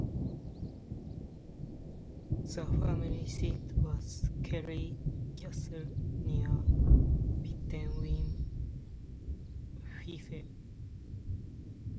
The family seat was Kellie Castle, near Pittenweem, Fife.